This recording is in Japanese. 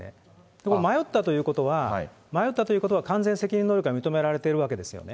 ところが迷ったということは、迷ったということは、完全責任能力が認められているわけですよね。